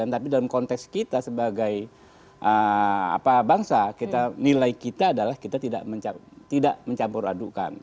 tapi dalam konteks kita sebagai bangsa nilai kita adalah kita tidak mencampur adukan